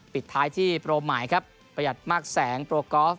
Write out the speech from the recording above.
ปิดท้ายที่โปรหมายครับประหยัดมากแสงโปรกอล์ฟ